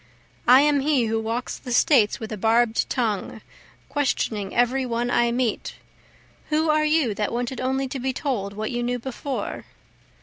I am he who walks the States with a barb'd tongue, questioning every one I meet, Who are you that wanted only to be told what you knew before?